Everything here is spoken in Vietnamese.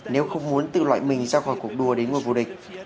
nếu không muốn tự loại mình ra khỏi cuộc đua đến ngôi vô địch